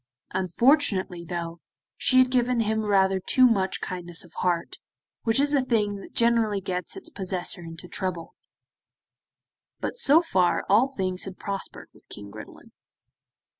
Unfortunately, though, she had given him rather too much kindness of heart, which is a thing that generally gets its possessor into trouble, but so far all things had prospered with King Gridelin.